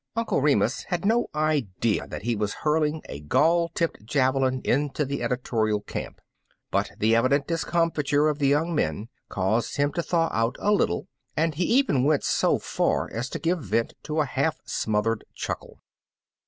Uncle Remus had no idea that he was hurling a gall tipped javelin into the edi torial camp, but the evident discomfiture of the young men caused him to thaw out a little, and he even went so far as to give vent to a half smothered chuckle.